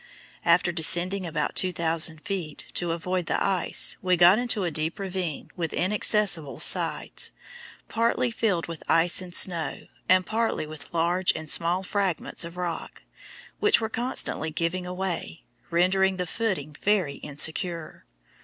After descending about 2,000 feet to avoid the ice, we got into a deep ravine with inaccessible sides, partly filled with ice and snow and partly with large and small fragments of rock, which were constantly giving away, rendering the footing very insecure.